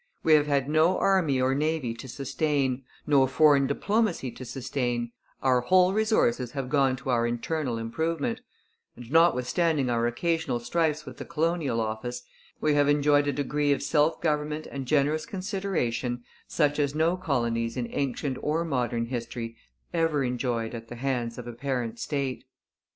We have had no army or navy to sustain, no foreign diplomacy to sustain, our whole resources have gone to our internal improvement, and notwithstanding our occasional strifes with the Colonial Office, we have enjoyed a degree of self government and generous consideration such as no colonies in ancient or modern history ever enjoyed at the hands of a parent state.